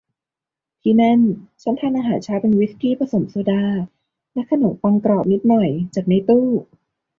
ที่นั่นฉันทานอาหารเช้าเป็นวิสกี้ผสมโซดาและขนมปังกรอบนิดหน่อยจากในตู้